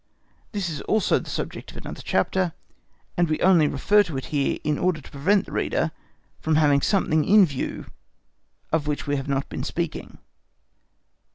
This is also the subject of another chapter, and we only refer to it here in order to prevent the reader from having something in view of which we have not been speaking.